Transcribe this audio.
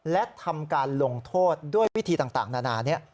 และทำการลงโทษด้วยวิธีต่างนานานี้